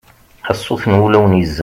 a sut n wulawen yezzan